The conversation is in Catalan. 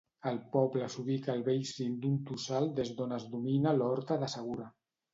El poble s'ubica al bell cim d'un tossal des d'on es domina l'horta del Segura.